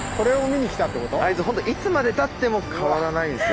あいつほんといつまでたっても変わらないんすよ